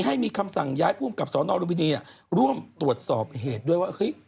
ให้มีคำสั่งย้ายภูมิกับสนรุมพินีร่วมตรวจสอบเหตุด้วยว่าเฮ้ย